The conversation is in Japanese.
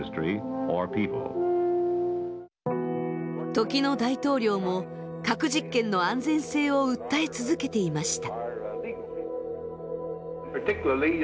時の大統領も核実験の安全性を訴え続けていました。